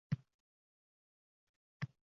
Qashqadaryo viloyati hokimi va’dasini bajardi